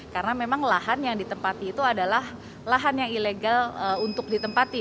karena memang lahan yang ditempati itu adalah lahan yang ilegal untuk ditempati